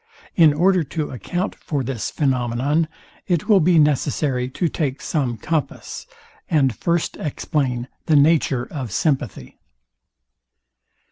In order to account for this phænomenon it will be necessary to take some compass, and first explain the nature of sympathy.